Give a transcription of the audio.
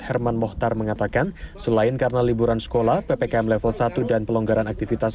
herman mohtar mengatakan selain karena liburan sekolah ppkm level satu dan pelonggaran aktivitas